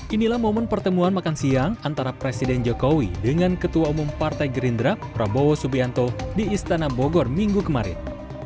inilah momen pertemuan makan siang antara presiden jokowi dengan ketua umum partai gerindra prabowo subianto di istana bogor minggu kemarin